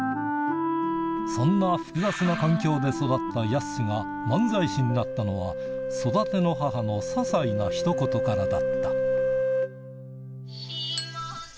そんな複雑な環境で育ったやすしが漫才師になったのは、育ての母のささいなひと言からだった。